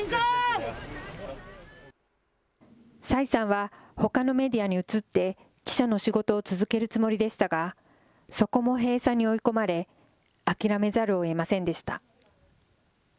蔡さんはほかのメディアに移って、記者の仕事を続けるつもりでしたが、そこも閉鎖に追い込まれ、諦めざるをえませんでした。